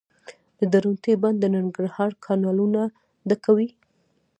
د درونټې بند د ننګرهار کانالونه ډکوي